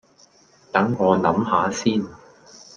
等我諗吓先